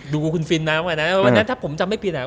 ดูคุณฟินมากกว่านั้นวันนั้นถ้าผมจำไม่ผิดอ่ะ